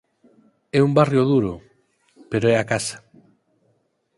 É un barrio duro, pero é a casa.